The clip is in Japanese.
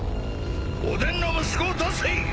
おでんの息子を出せ！